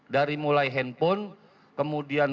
dari mulai handphone kemudian